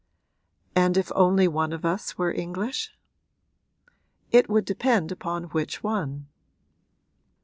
'And if only one of us were English?' 'It would depend upon which one.'